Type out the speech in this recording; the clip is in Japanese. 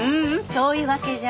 そういうわけじゃ。